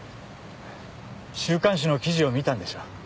週刊誌の記事を見たんでしょ？